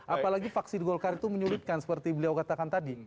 apalagi vaksin golkar itu menyulitkan seperti beliau katakan tadi